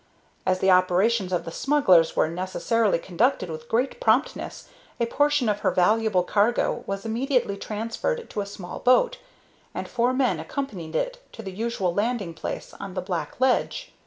As the operations of the smugglers were necessarily conducted with great promptness, a portion of her valuable cargo was immediately transferred to a small boat, and four men accompanied it to the usual landing place on the black ledge.